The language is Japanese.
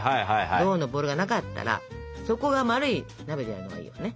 銅のボウルがなかったら底が丸い鍋でやるのがいいわね。